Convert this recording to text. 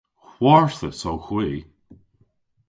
Hwarthus owgh hwi.